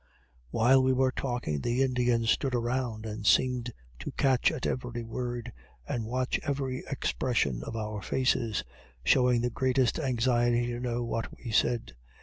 While we were talking, the Indians stood around and seemed to catch at every word, and watch every expression of our faces showing the greatest anxiety to know what we said.